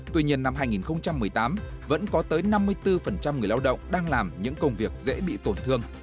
tuy nhiên năm hai nghìn một mươi tám vẫn có tới năm mươi bốn người lao động đang làm những công việc dễ bị tổn thương